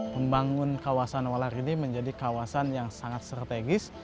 membangun kawasan walar ini menjadi kawasan yang sangat strategis